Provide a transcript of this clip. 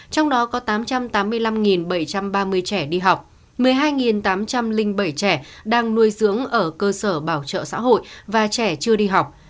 trong đó có tám trăm tám mươi năm bảy trăm ba mươi trẻ đi học một mươi hai tám trăm linh bảy trẻ đang nuôi dưỡng ở cơ sở bảo trợ xã hội và trẻ chưa đi học